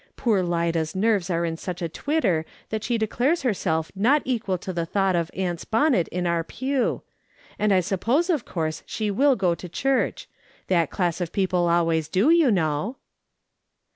Poor Lida's nerves are in such a twitter that she declares herself not equal to the thought of aunt's bonnet in our pew ; and I suppose of course she will go to church \ that class of people always do, you know."